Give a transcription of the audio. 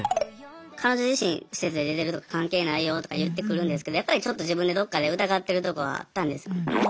彼女自身「施設出てるとか関係ないよ」とか言ってくるんですけどやっぱりちょっと自分でどっかで疑ってるとこがあったんですよ。